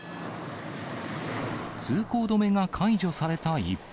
通行止めが解除された一方。